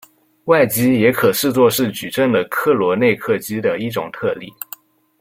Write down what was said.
外积也可视作是矩阵的克罗内克积的一种特例。